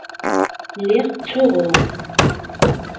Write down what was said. Lliɣ ttsuɣuɣ.